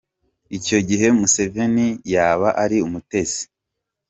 Icyo gihe Museveni yaba ari umutesi.